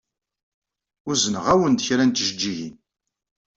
Uzneɣ-awen-d kra n tjeǧǧigin.